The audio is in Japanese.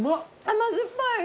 甘酸っぱい。